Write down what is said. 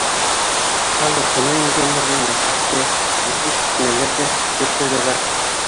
Ял йортона ингән ерҙә мәсет тә, изге шишмәләр ҙә, сиркәү ҙә бар.